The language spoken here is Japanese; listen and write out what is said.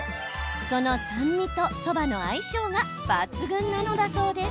その酸味と、そばの相性が抜群なのだそうです。